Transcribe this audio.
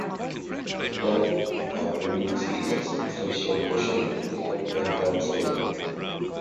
Modern avionics is a substantial portion of military aircraft spending.